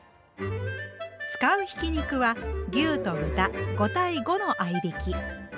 使うひき肉は牛と豚５対５の合いびき。